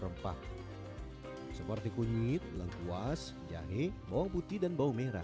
rempah seperti kunyit lengkuas jahe bawang putih dan bawang merah